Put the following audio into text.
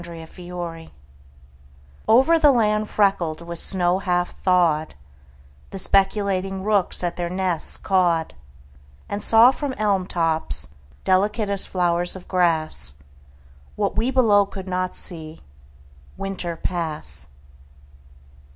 THAW OVER the land freckled with snow half thawed The speculating rooks at their nests cawed And saw from elm tops, delicate as flower of grass, What we below could not see, Winter pass.